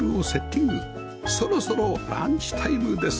そろそろランチタイムです